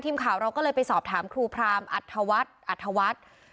ทีมข่าวเราก็เลยไปสอบถามครูพรามอัธวัฒน์อัธวัฒน์